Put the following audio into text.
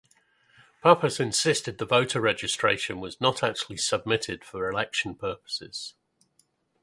Pappas insisted the voter registration was not actually submitted for election purposes.